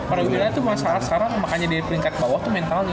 pada gue bilangnya itu masalah sekarang makanya di peringkat bawah tuh mentalnya